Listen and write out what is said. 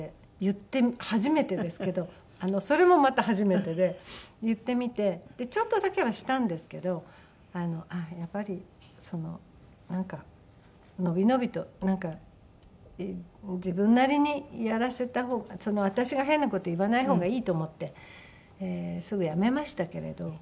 初めてですけどそれもまた初めてで言ってみてちょっとだけはしたんですけどやっぱりなんか伸び伸びと自分なりにやらせた方が私が変な事言わない方がいいと思ってすぐやめましたけれど。